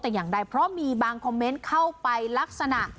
แต่อย่างใดเพราะมีบางคอมเมนต์เข้าไปลักษณะ